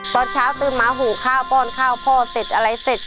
ตอนเช้าตื่นมาหูข้าวป้อนข้าวพ่อเสร็จอะไรเสร็จ